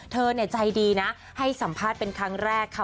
เธอใจดีนะให้สัมภาษณ์เป็นครั้งแรกค่ะ